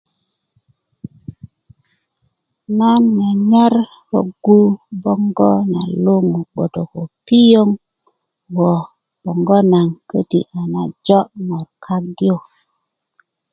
nan nyanyar roggu boŋgo na luŋu gboto ko piyoŋ ko boŋgo nagon köti a najo ŋor kak yu